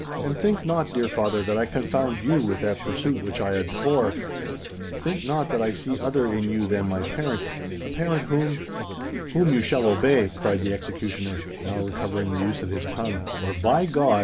And think not, dear father, that I confound you with that pursuit which I abhor;—think not that I see other in you than my parent—a parent whom——" "Whom you shall obey!" cried the executioner, now recovering the use of his tongue: "or, by God!"